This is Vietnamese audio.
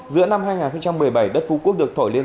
giữa năm hai nghìn một mươi bảy đất phú quốc được thổi liên